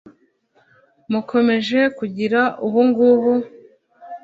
mukomeje kugira ubungubu